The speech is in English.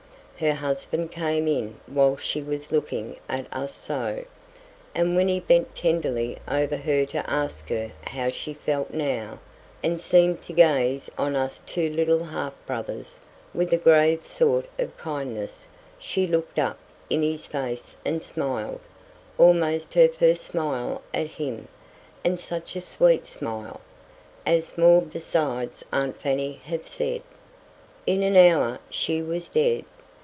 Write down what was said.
Her husband came in while she was looking at us so, and when he bent tenderly over her to ask her how she felt now, and seemed to gaze on us two little half brothers, with a grave sort of kindness, she looked up in his face and smiled, almost her first smile at him; and such a sweet smile! as more besides aunt Fanny have said. In an hour she was dead.